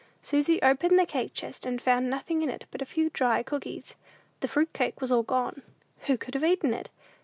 Susy opened the cake chest, and found nothing in it but a few dry cookies: the fruit cake was all gone. Who could have eaten it?